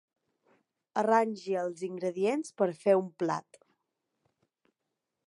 Arrangi els ingredients per fer un plat.